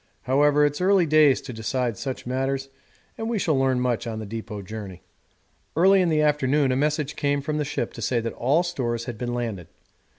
However, it's early days to decide such matters, and we shall learn much on the depot journey. Early in the afternoon a message came from the ship to say that all stores had been landed.